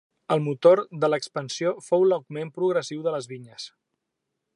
El motor de l'expansió fou l'augment progressiu de les vinyes.